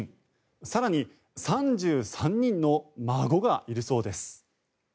更に３３人の孫がいるそうです。